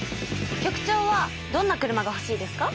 局長はどんな車がほしいですか？